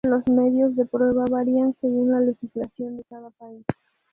Los medios de prueba varían según la legislación de cada país.